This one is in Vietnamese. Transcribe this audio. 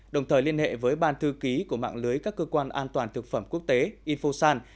đồng thời liên hệ với ban thư ký của mạng lưới các cơ quan an toàn thực phẩm quốc tế infosan